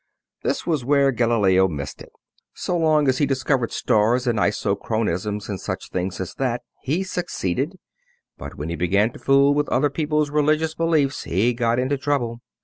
This was where Galileo missed it. So long as he discovered stars and isochronisms and such things as that, he succeeded, but when he began to fool with other people's religious beliefs he got into trouble.